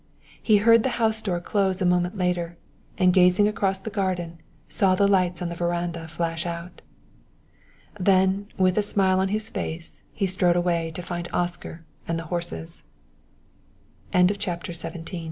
He heard the house door close a moment later, and gazing across the garden, saw the lights on the veranda flash out. Then with a smile on his face he strode away to find Oscar and the horses. CHAPTER XVIII AN EXCHANGE OF M